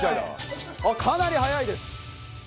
かなり速いです。